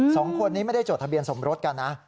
สองคนนี้ไม่ได้จดทะเบียนสมรสกันนะ